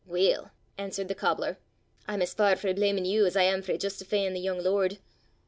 "Weel," answered the cobbler, "I'm as far frae blamin' you as I am frae justifeein' the yoong lord."